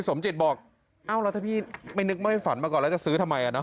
สมจิตบอกเอ้าแล้วถ้าพี่ไม่นึกไม่ฝันมาก่อนแล้วจะซื้อทำไมอ่ะเน